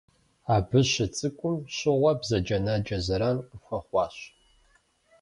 Абы щыцӏыкӏум щыгъуэ бзаджэнаджэ зэран къыхуэхъуащ.